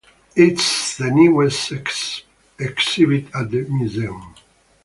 It is the newest exhibit at the museum.